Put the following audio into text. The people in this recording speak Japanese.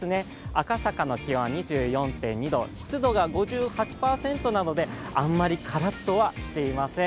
赤坂の気温は２４．２度、湿度が５８％なのであんまりからっとはしていません。